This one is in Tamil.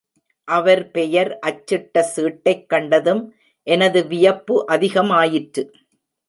அவர் பெயர் அச்சிட்ட சீட்டைக் கண்டதும் எனது வியப்பு அதிகமாயிற்று.